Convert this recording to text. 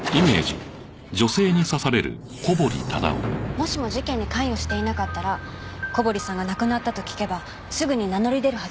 もしも事件に関与していなかったら小堀さんが亡くなったと聞けばすぐに名乗り出るはずです。